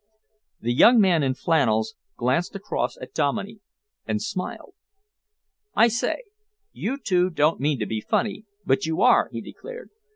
The young man in flannels glanced across at Dominey and smiled. "I say, you two don't mean to be funny but you are," he declared.